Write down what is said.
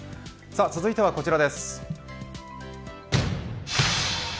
続いてはこちらです。